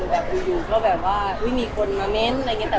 แบบอยู่ก็แบบว่ามีคนมาเม้นต์อะไรอย่างนี้